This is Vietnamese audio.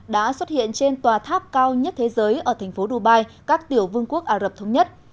đã xuất hiện trên tòa tháp cao nhất thế giới ở thành phố dubai các tiểu vương quốc ả rập thống nhất